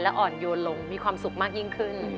อ่อนโยนลงมีความสุขมากยิ่งขึ้น